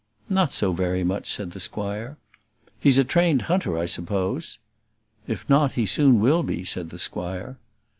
"Not so very much," said the squire. "He's a trained hunter, I suppose?" "If not, he soon will be," said the squire.